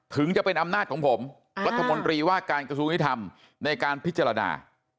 ถึงจะเป็นอำนาจของผมรัฐมนตรีว่าการกระทรวงยุทธรรมในการพิจารณา